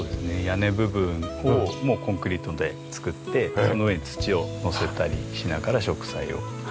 屋根部分もコンクリートで作ってその上に土をのせたりしながら植栽を。